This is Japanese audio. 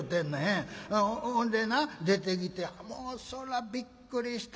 ほんでな出てきてもうそらびっくりしたで。